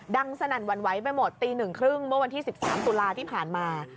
ดังสนั่นวันไว้ไปหมดตีหนึ่งครึ่งเมื่อวันที่๑๓ศุลาที่ผ่านมา